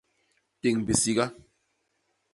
Téñ bisiga.